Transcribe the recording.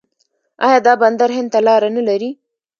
آیا دا بندر هند ته لاره نلري؟